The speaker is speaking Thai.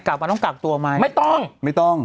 กลับมาต้องกากตัวไหมไม่ต้อง